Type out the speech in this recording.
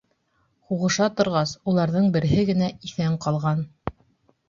Һуғыша торғас, уларҙың береһе генә иҫән ҡалған.